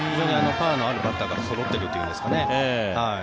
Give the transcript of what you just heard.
パワーのあるバッターがそろっているというんですかね